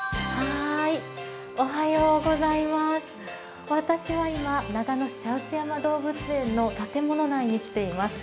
おはようございます、私は今長野市茶臼山動物園の建物内に来ています。